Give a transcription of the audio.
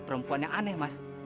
perempuan yang aneh mas